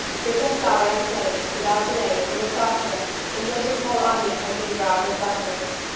Dip in flour and place, without delay in a saucepan in which a small onion has been browned in butter.